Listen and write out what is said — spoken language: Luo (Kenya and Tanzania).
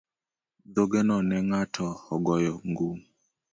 Dhogeno ne ng'ato ogoyo gum.